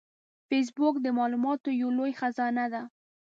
فېسبوک د معلوماتو یو لوی خزانه ده